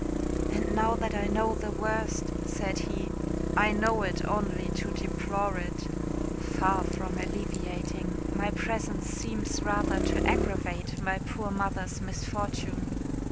"And now that I know the worst," said he, "I know it only to deplore it. Far from alleviating, presence seems rather to aggravate my poor mother's misfortune.